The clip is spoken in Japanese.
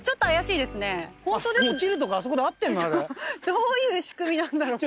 どういう仕組みなんだろう。